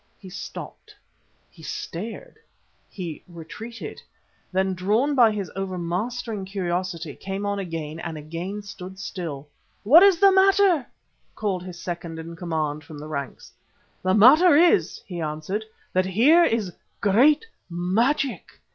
He stopped, he stared, he retreated, then drawn by his overmastering curiosity, came on again and again stood still. "What is the matter?" called his second in command from the ranks. "The matter is," he answered, "that here is great magic.